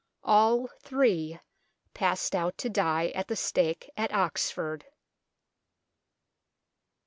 All three passed out to die at the stake at Oxford.